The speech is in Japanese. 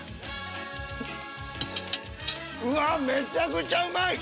うわめちゃくちゃうまい！